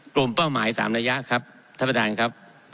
เป้าหมาย๓ระยะครับท่านประธานครับ